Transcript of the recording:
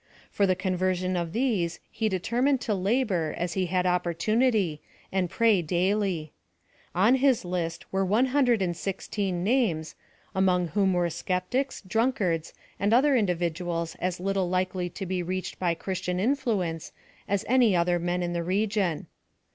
For the conversion of these he deter mined to labor as he had opportunity, and pray daily. On his list were one hundred and sixteen names, among whom were skeptics, drunkards, and otlicr individuals as little likely to be reached by PLAN OF SALTATION. 253 christian influence as any other men in the region.